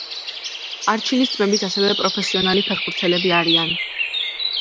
არჩილის ძმებიც ასევე პროფესიონალი ფეხბურთელები არიან.